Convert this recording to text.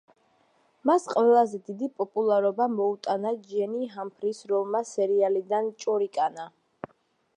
მას ყველაზე დიდი პოპულარობა მოუტანა ჯენი ჰამფრის როლმა სერიალიდან „ჭორიკანა“.